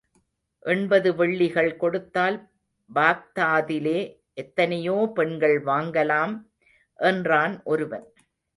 எண்பது வெள்ளிகள் கொடுத்தால் பாக்தாதிலே எத்தனையோ பெண்கள் வாங்கலாம்! என்றான் ஒருவன்.